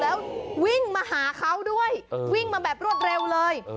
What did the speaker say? แล้ววิ่งมาหาเขาด้วยวิ่งมาแบบรวดเร็วเลย